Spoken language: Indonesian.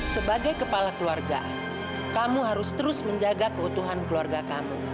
sebagai kepala keluarga kamu harus terus menjaga keutuhan keluarga kamu